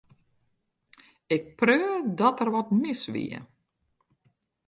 Ik preau dat der wat mis wie.